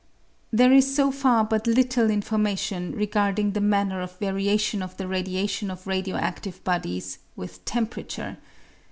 There is so far but little information regarding the manner of variation of the radiation of radio adive bodies with temperature.